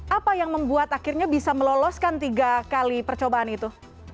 apa yang membuat akhirnya bisa meloloskan tiga kali percobaan itu